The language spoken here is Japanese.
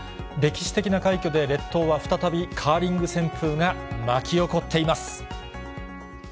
歴史的な快挙で、列島は再びカーリング旋風が巻き起こっています。